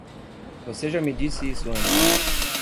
Você já me disse isso antes.